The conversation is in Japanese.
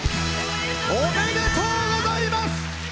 おめでとうございます。